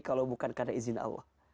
kalau bukan karena izin allah